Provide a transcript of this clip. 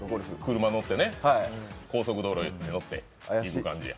車乗ってね、高速道路乗って行く感じで。